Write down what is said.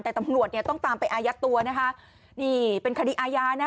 แต่ตำรวจเนี่ยต้องตามไปอายัดตัวนะคะนี่เป็นคดีอาญานะ